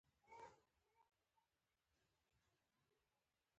غیرتمند د خپل دښمن هم عزت کوي